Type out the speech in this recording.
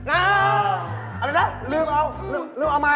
เอาไปนะลืมเอาลืมเอามา